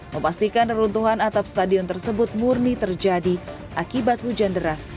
memastikan reruntuhan atap stadion tersebut murni terjadi akibat hujan deras